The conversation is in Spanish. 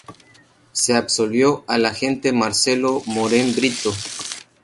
Se absolvió al agente Marcelo Moren Brito.